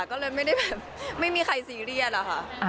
ก็เลยไม่ได้แบบไม่มีใครซีเรียสอะค่ะ